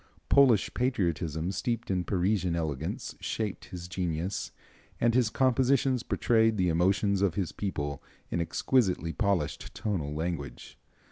Polish patriotism steeped in Parisian elegance shaped his genius, and his compositions portray the emotions of his people in exquisitely polished tonal language.